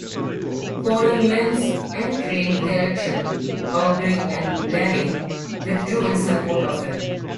Following Lynch's entry into the election, Haughey and Blaney withdrew in support of him.